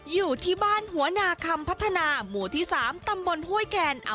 อยู่ที่บ้านหัวนาคำพัฒนาหมู่ที่๓ตำบลห้วยแคน